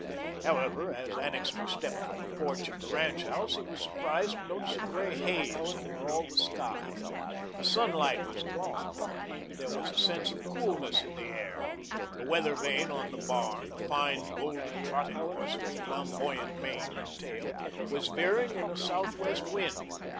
However, as Annixter stepped from the porch of the ranch house, he was surprised to notice a grey haze over all the sky; the sunlight was gone; there was a sense of coolness in the air; the weather vane on the barn a fine golden trotting horse with flamboyant mane and tail was veering in a southwest wind.